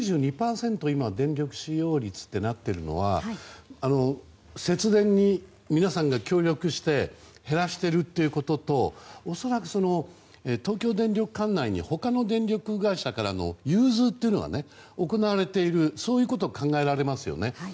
今、電力使用率となっているのは節電に皆さんが協力して減らしているということと恐らく、東京電力管内に他の電力会社からの融通というのが行われているということが考えられますよね。